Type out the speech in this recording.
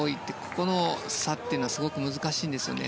この差というのはすごく難しいんですよね。